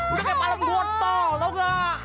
udah kayak palem gotong tau gak